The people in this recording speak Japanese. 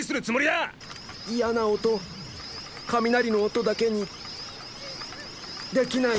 嫌な音雷の音だけにできない。